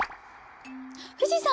富士山！